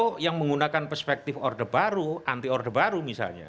itu selalu menggunakan perspektif yang lain itu selalu menggunakan perspektif yang lain ini misalnya